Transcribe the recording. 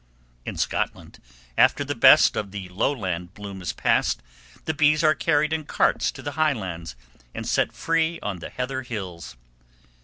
In Scotland, after the best of the Lowland bloom is past, the bees are carried in carts to the Highlands, and set free on the heather hills.